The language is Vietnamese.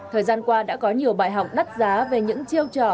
thời gian qua đã có nhiều bài học đắt giá về những chiêu trò